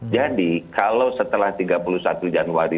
jadi kalau setelah tiga puluh satu januari